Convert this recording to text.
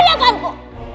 iya kanjeng ratu